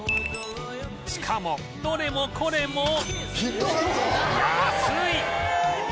しかもどれもこれも安い！